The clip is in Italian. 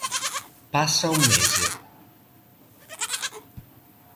Passa un mese.